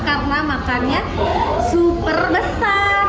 karena makannya super besar